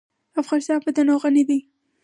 افغانستان په تنوع غني دی.